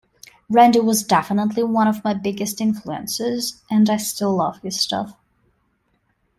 Randy was definitely one of my biggest influences and I still love his stuff.